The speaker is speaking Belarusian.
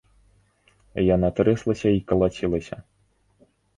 Яна трэслася і калацілася.